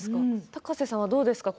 高瀬さんはどうですか？